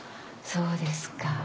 そうですか。